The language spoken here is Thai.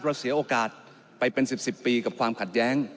เสียโอกาสไปเป็น๑๐ปีกับความขัดแย้ง